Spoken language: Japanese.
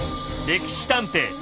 「歴史探偵」。